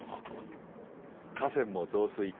河川も増水。